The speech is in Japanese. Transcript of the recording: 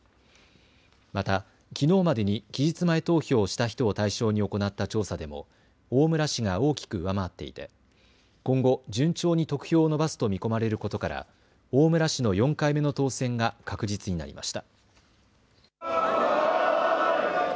また、きのうまでに期日前投票をした人を対象に行った調査でも大村氏が大きく上回っていて今後、順調に得票を伸ばすと見込まれることから大村氏の４回目の当選が確実になりました。